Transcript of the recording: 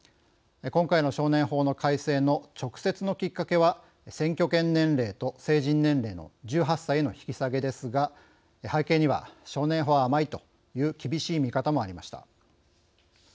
今回の少年法の改正の直接のきっかけは選挙権年齢と成人年齢の１８歳への引き下げですが背景には「少年法は甘い」という厳しい見方もありました。